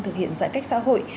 thực hiện giãn cách xã hội